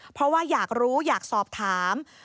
เพราะว่าอยากรู้อยากสอบถาม